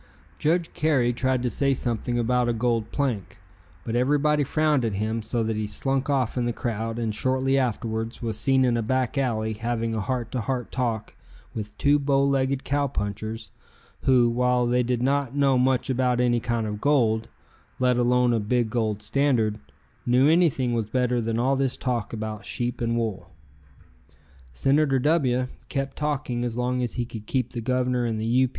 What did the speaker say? Judge Carey tried to say something about a gold plank, but everybody frowned at him so that he slunk off in the crowd and shortly afterwards was seen in a back alley having a heart to heart talk with two bow legged cowpunchers who, while they did not know much about any kind of gold, let alone a big gold standard, knew anything was better than all this talk about sheep and wool. Senator W kept talking as long as he could keep the Governor and the U.